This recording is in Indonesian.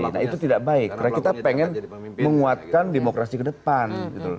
nah itu tidak baik karena kita pengen menguatkan demokrasi ke depan